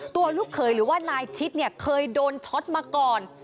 ตัวลูกเคยหรือว่านายชิดเคยโดนช็อตมาก่อน